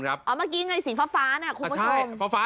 เมื่อกี้สีฟ้า